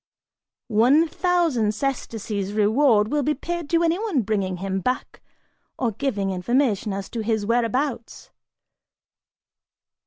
One thousand sesterces reward will be paid to anyone bringing him back or giving information as to his whereabouts."